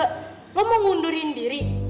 kak lo mau ngundurin diri